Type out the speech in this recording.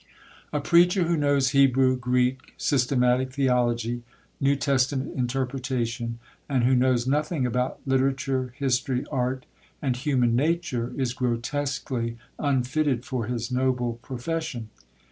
A preacher who knows Hebrew, Greek, systematic theology, New Testament interpretation, and who knows nothing about literature, history, art, and human nature, is grotesquely unfitted for his noble profession.